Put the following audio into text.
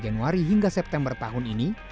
januari hingga september tahun ini